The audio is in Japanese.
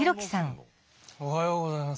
おはようございます。